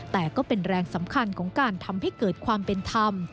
แต่ก็เป็นแรงสำคัญของการทำให้เกิดความเป็นธรรม